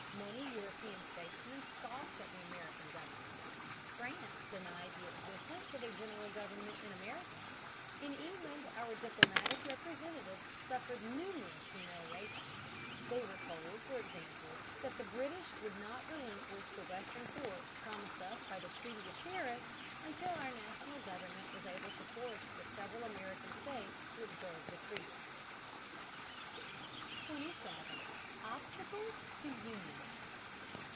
Many European statesmen scoffed at the American government. France denied the existence of a general government in America. In England our diplomatic representatives suffered numerous humiliations. They were told, for example, that the British would not relinquish the western forts promised us by the Treaty of Paris until our national government was able to force the several American states to observe the treaty. 27. OBSTACLES TO UNION.